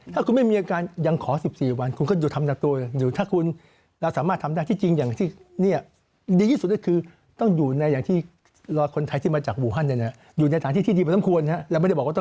ถ้าคุณไม่มีอาการยังขอ๑๔วันคุณคืออยู่ทำดับโต